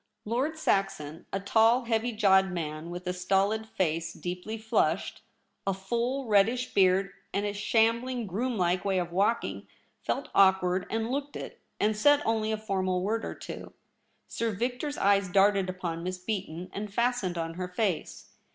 Lord Saxon, a tall, heavy jawed man, with a stolid face deeply flushed, a full, reddish beard, and a shambling groom like way of walking, felt awkward, and looked it, and said only a formal word or two. Sir Victor's eyes darted upon Miss Beaton, and fastened on her face.